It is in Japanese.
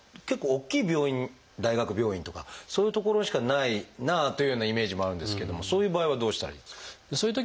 結構大きい病院大学病院とかそういう所しかないなというようなイメージもあるんですけどもそういう場合はどうしたらいいんですか？